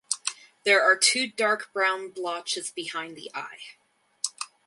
There are two dark brown blotches behind the eye.